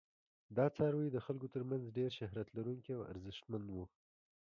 دا څاروي د خلکو تر منځ ډیر شهرت لرونکي او ارزښتمن وو.